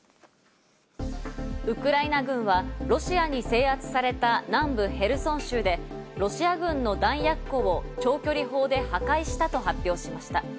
ウクライナ軍はロシアに制圧された南部ヘルソン州でロシア軍の弾薬庫を長距離砲で破壊したと発表しました。